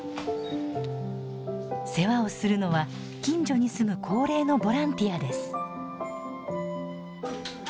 世話をするのは近所に住む高齢のボランティアです。